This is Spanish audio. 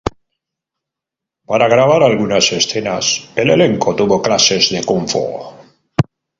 Para grabar algunas escenas, el elenco tuvo clases de Kung fu.